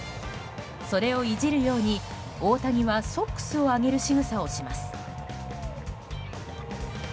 それをいじるように大谷はソックスを上げるしぐさをします。